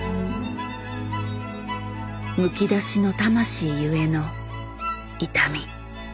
剥き出しの魂ゆえの痛み。